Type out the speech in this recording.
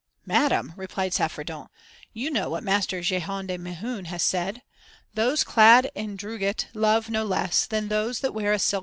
"Madam," replied Saffredent, "you know what Master Jehan de Mehun has said "Those clad in drugget love no less Than those that wear a silken dress."